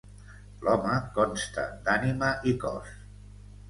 L'home consta d'ànima i cos.